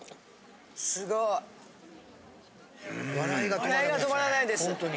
すごい。笑いが止まらないほんとに。